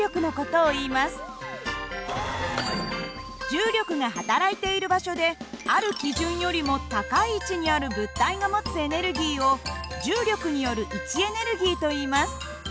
重力が働いている場所である基準よりも高い位置にある物体が持つエネルギーを重力による位置エネルギーといいます。